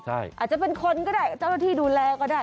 อาจจะเป็นคนก็ได้เจ้าหน้าที่ดูแลก็ได้